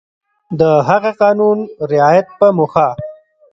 د هغه قانون رعایت په موخه